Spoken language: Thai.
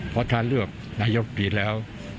เพราะถ้าเลือกนายยกรมนตรีแล้ว